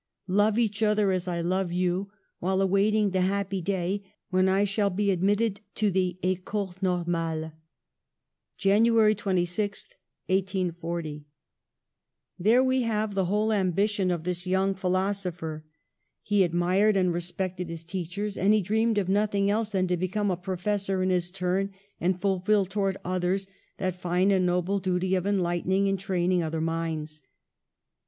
Love each other as I love you, while awaiting the happy day when I shall be admit ted to the Ecole Normale" (January 26, 1840). There we have the v/hole ambition of this young philosopher. He admired and respected his teachers, and he dreamed of nothing else than to become a professor in his turn and ful fil towards others that fine and noble duty of enlightening and training other minds.